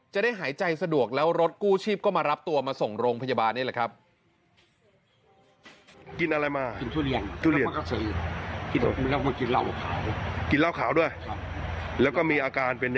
จะได้หายใจสะดวกแล้วรถกู้ชีพก็มารับตัวมาส่งโรงพยาบาลนี่แหละครับ